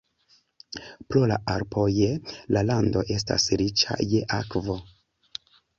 Pro la Alpoj la lando estas riĉa je akvo.